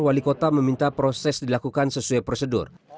wali kota meminta proses dilakukan sesuai prosedur